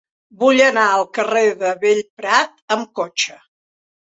Vull anar al carrer de Bellprat amb cotxe.